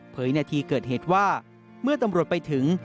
นาทีเกิดเหตุว่าเมื่อตำรวจไปถึง